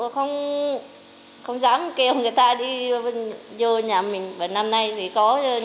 không dám kêu người ta đi vô nhà mình